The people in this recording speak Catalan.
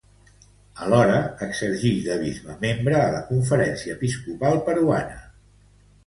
Alhora, exercix de bisbe membre a la Conferència Episcopal Peruana.